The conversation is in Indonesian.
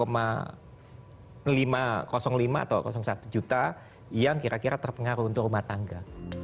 rp lima ratus lima atau satu juta yang kira kira terpengaruh untuk rumah tangga